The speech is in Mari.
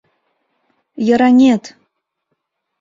Йыраҥет!